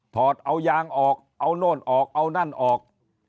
อดเอายางออกเอาโน่นออกเอานั่นออก